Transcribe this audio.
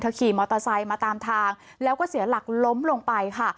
ขี่มอเตอร์ไซค์มาตามทางแล้วก็เสียหลักล้มลงไปค่ะ